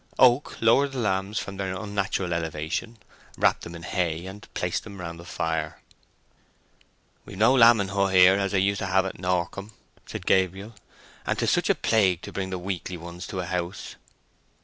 Oak lowered the lambs from their unnatural elevation, wrapped them in hay, and placed them round the fire. "We've no lambing hut here, as I used to have at Norcombe," said Gabriel, "and 'tis such a plague to bring the weakly ones to a house.